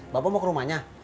bapak mau ke rumahnya